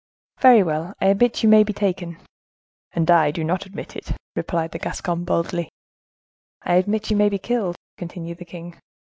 "Very well: I admit you may be taken." "And I do not admit it," replied the Gascon, boldly. "I admit you may be killed," continued the king.